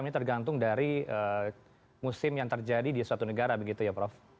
ini tergantung dari musim yang terjadi di suatu negara begitu ya prof